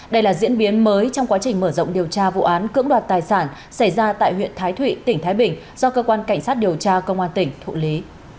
đây là diễn biến mới trong quá trình mở rộng điều tra vụ án cưỡng đoạt tài sản xảy ra tại huyện thái thụy tỉnh thái bình do cơ quan cảnh sát điều tra công an tỉnh thụ lý